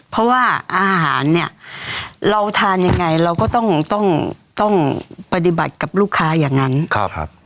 เพราะว่าอาหารเนี่ยเราทานยังไงเราก็ต้องต้องปฏิบัติกับลูกค้าอย่างนั้นครับ